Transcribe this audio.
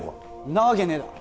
なわけねえだろ